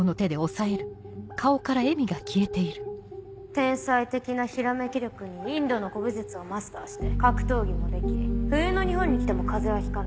天才的なひらめき力にインドの古武術をマスターして格闘技もでき冬の日本に来ても風邪はひかない。